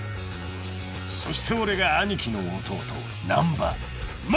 そして俺がアニキの弟難破松！